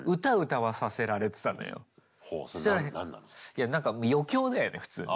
いやなんか余興だよね普通に。